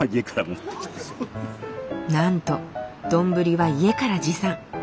なんとどんぶりは家から持参。